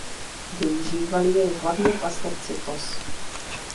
Využívali jej hlavně pastevci koz.